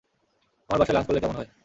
আমার বাসায় লাঞ্চ করলে কেমন হয়?